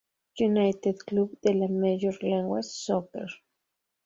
United, club de la Major League Soccer.